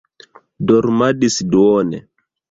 Dormadis duone.